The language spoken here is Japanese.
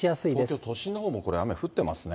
東京都心のほうもこれ、雨降っていますね。